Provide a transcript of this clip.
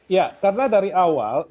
ya karena dari awal